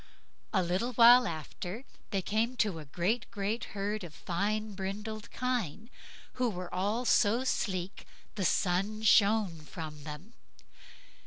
A little while after they came to a great, great herd of fine brindled kine, who were all so sleek the sun shone from them.